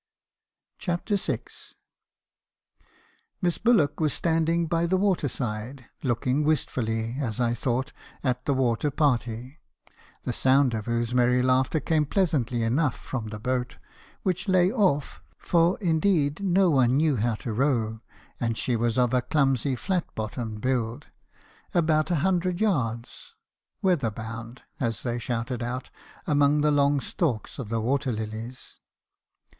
CHAPTEE VI. "Miss Bullock was standing by the water side, looking wistfully, as I thought, at the water party; the sound of whose merry laughter came pleasantly enough from the boat, which lay off (for, indeed, no one knew how to row, and she was of a clumsy fiat bottomed build,) about a hundred yards, 'weather bound,' as they shouted out, among the long stalks of the water lilies.